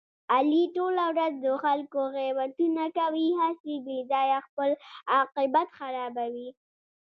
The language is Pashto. علي ټوله ورځ د خلکو غیبتونه کوي، هسې بې ځایه خپل عاقبت خرابوي.